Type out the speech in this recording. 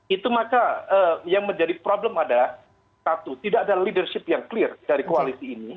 itu maka yang menjadi problem adalah satu tidak ada leadership yang clear dari koalisi ini